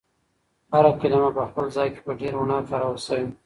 هر کلمه په خپل ځای کې په ډېر هنر کارول شوې.